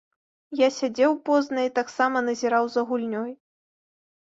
Я сядзеў позна і таксама назіраў за гульнёй.